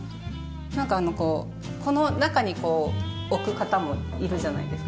なんかこうこの中に置く方もいるじゃないですか